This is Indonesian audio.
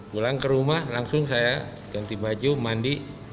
pulang ke rumah langsung saya ganti baju mandi